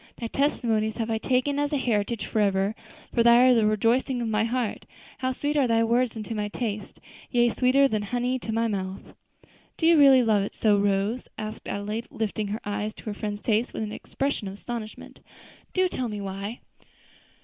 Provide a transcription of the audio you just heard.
'Thy testimonies have I taken as a heritage forever, for they are the rejoicing of my heart,' 'How sweet are thy words unto my taste! Yea, sweeter than honey to my mouth.'" "Do you really love it so, Rose?" asked Adelaide, lifting her eyes to her friend's face with an expression of astonishment; "do tell me why?"